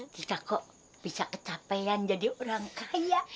kita kok bisa kecapean jadi orang kaya